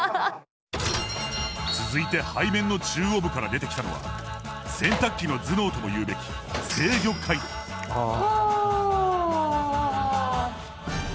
続いて背面の中央部から出てきたのは洗濯機の頭脳とも言うべきはあ。